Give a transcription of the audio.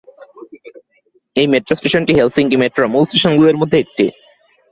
এই মেট্রো স্টেশনটি হেলসিংকি মেট্রোর মূল স্টেশনগুলির মধ্যে একটি।